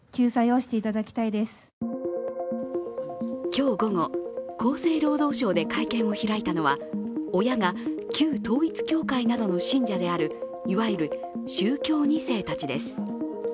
今日午後、厚生労働省で会見を開いたのは、親が旧統一教会などの信者であるいわゆる宗教２世たちです。